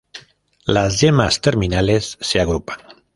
Las yemas terminales se agrupan.